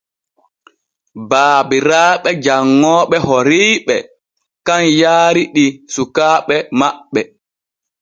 Baabiraaɓe janŋooɓe horiiɓe kan yaari ɗi sukaaɓe maɓɓe.